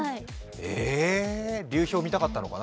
流氷を見たかったのかな。